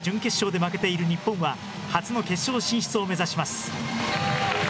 ２大会連続で準決勝で負けている日本は、初の決勝進出を目指します。